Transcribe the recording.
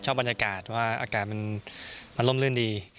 บรรยากาศว่าอากาศมันร่มลื่นดี